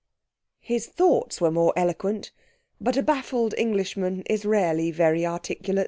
His thoughts were more eloquent. But a baffled Englishman is rarely very articulate.